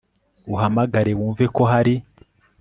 uhamagare wumve ko hari